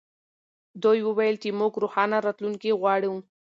دوی وویل چې موږ روښانه راتلونکې غواړو.